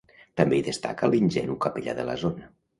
També hi destaca l'ingenu capellà de la zona.